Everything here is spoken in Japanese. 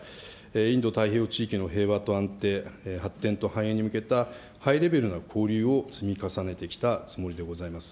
インド太平洋地域の平和と安定、発展と繁栄に向けたハイレベルな交流を積み重ねてきたつもりでございます。